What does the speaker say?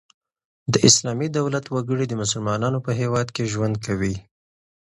د اسلامي دولت وګړي د مسلمانانو په هيواد کښي ژوند کوي.